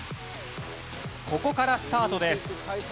ここからスタートです。